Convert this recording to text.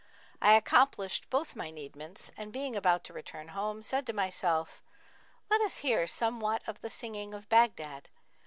I accomplished both my needments and being about to return home, said to myself, 'Let us hear some what of the singing of Baghdad.'